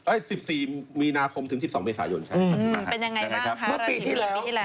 เอ้ย๑๔มีนาคมถึง๑๒เมษายนใช่ไหม